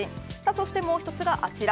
そしてもう一つが、あちら。